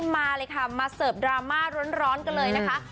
มาเลยค่ะมาเสิร์ฟดราม่าร้อนกันเลยนะคะ